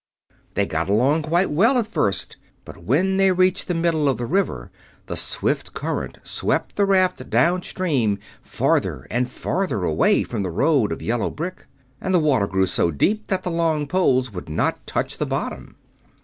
They got along quite well at first, but when they reached the middle of the river the swift current swept the raft downstream, farther and farther away from the road of yellow brick. And the water grew so deep that the long poles would not touch the bottom.